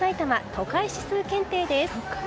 都会指数検定です。